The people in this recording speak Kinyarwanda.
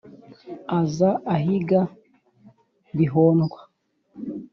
Aza ahiga Bihondwa.